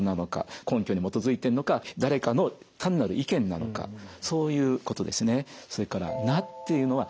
根拠に基づいてるのか誰かの単なる意見なのかそういうことですね。